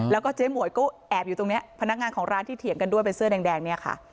แล้วก็เจ๊หมวยก็แอบอยู่ตรงนี้พนักงานของร้านที่เถียงกันด้วยเป็นเสื้อแดงเนี่ยค่ะ